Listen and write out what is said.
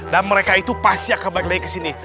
dan mereka itu pasti akan balik lagi ke sini